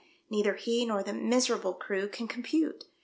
Neither he nor the miserable crew can com pute.